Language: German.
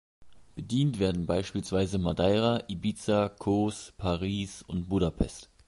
Bedient werden beispielsweise Madeira, Ibiza, Kos, Paris und Budapest.